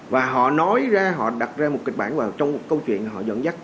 và họ nói ra họ đặt ra một kịch bản vào trong một câu chuyện họ dẫn dắt